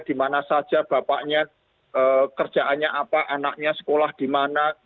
dimana saja bapaknya kerjaannya apa anaknya sekolah dimana